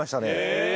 へえ！